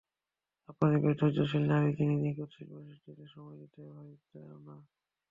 আপনি বেশ ধৈর্যশীলা নারী যিনি নিখুঁত শিল্প সৃষ্টিতে সময় নিয়ে ভাবিত নন।